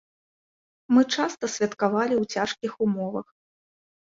Мы часта святкавалі ў цяжкіх умовах.